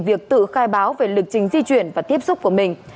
việc tự khai báo về lịch trình di chuyển và tiếp xúc của mình